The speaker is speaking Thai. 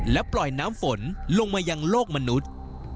และปล่อยน้ำฝนลงมายังโลกมนุษย์